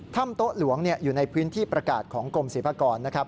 ถ้ำโต๊ะหลวงอยู่ในพื้นที่ประกาศของกรมศรีภากร